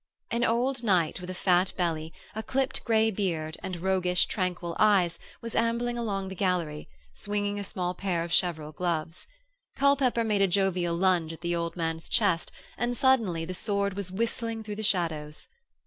An old knight with a fat belly, a clipped grey beard and roguish, tranquil eyes was ambling along the gallery, swinging a small pair of cheverel gloves. Culpepper made a jovial lunge at the old man's chest and suddenly the sword was whistling through the shadows.